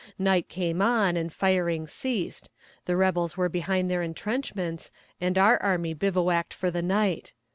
Night came on and firing ceased; the rebels were behind their entrenchments, and our army bivouaced for the night.